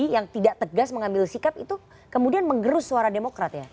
yang tidak tegas mengambil sikap itu kemudian mengerus suara demokrat ya